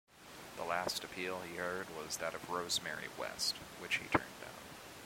The last appeal he heard was that of Rosemary West, which he turned down.